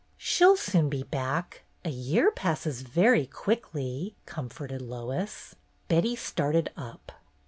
''She 'll soon be back. A year passes very quickly," comforted Lois. Betty started up.